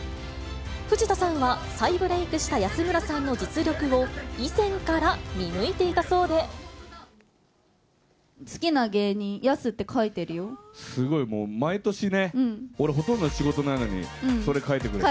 藤田さんは再ブレークした安村さんの実力を、以前から見抜いてい好きな芸人、やすって書いてすごい、もう、毎年ね、俺、ほとんど仕事ないのに、それ書いてくれて。